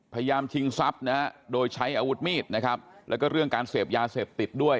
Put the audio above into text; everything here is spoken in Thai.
ชิงทรัพย์นะฮะโดยใช้อาวุธมีดนะครับแล้วก็เรื่องการเสพยาเสพติดด้วย